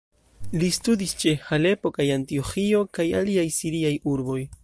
Li studis ĉe Halepo kaj Antioĥio kaj aliaj siriaj urboj.